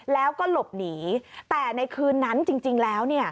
แล้วก็หลบหนีแต่ในคืนนั้นจริงแล้ว